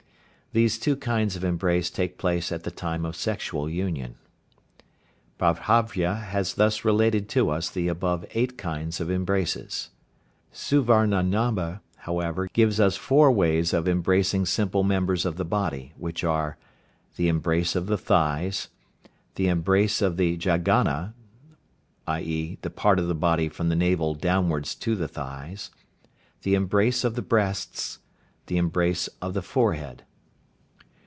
These two kinds of embrace take place at the time of sexual union. Babhravya has thus related to us the above eight kinds of embraces. Suvarnanabha, moreover, gives us four ways of embracing simple members of the body, which are: The embrace of the thighs. The embrace of the jaghana, i.e., the part of the body from the navel downwards to the thighs. The embrace of the breasts. The embrace of the forehead.